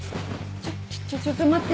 ちょっちょちょちょ待って。